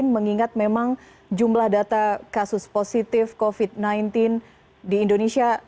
mengingat memang jumlah data kasus positif covid sembilan belas di indonesia